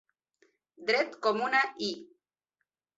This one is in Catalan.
Dret com una i.